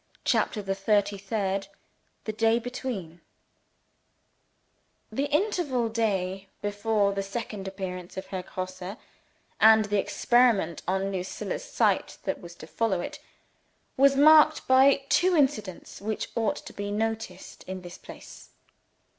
CHAPTER THE THIRTY THIRD The Day Between THE interval day before the second appearance of Herr Grosse, and the experiment on Lucilla's sight that was to follow it, was marked by two incidents which ought to be noticed in this place.